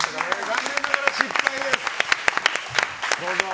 残念ながら失敗です。